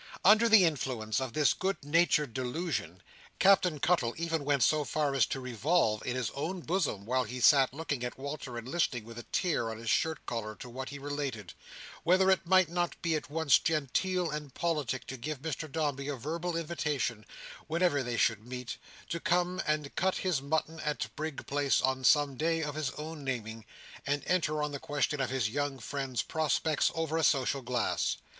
Under the influence of this good natured delusion, Captain Cuttle even went so far as to revolve in his own bosom, while he sat looking at Walter and listening with a tear on his shirt collar to what he related, whether it might not be at once genteel and politic to give Mr Dombey a verbal invitation, whenever they should meet, to come and cut his mutton in Brig Place on some day of his own naming, and enter on the question of his young friend's prospects over a social glass.